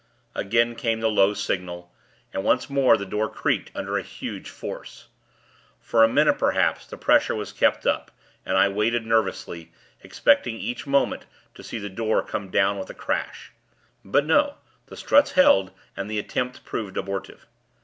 Again came the low signal; and, once more, the door cracked, under a huge force. For, a minute perhaps, the pressure was kept up; and I waited, nervously; expecting each moment to see the door come down with a crash. But no; the struts held, and the attempt proved abortive.